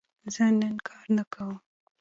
زه نن کار نه کوم.